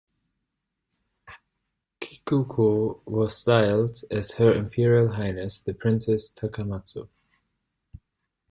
Kikuko was styled as "Her Imperial Highness The Princess Takamatsu".